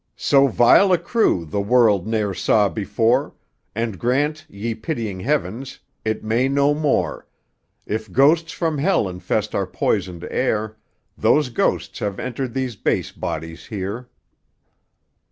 So vile a crew the world ne'er saw before, And grant, ye pitying heavens, it may no more! If ghosts from hell infest our poisoned air, Those ghosts have entered these base bodies here.